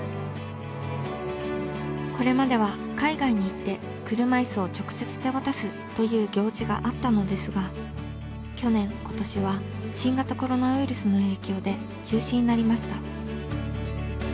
これまでは海外に行って車いすを直接手渡すという行事があったのですが去年今年は新型コロナウイルスの影響で中止になりました。